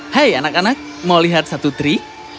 hai anak anak mau lihat satu tri